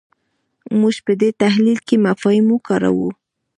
موږ په دې تحلیل کې مفاهیم وکارول.